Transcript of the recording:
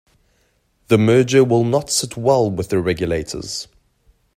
The merger will not sit well with the regulators.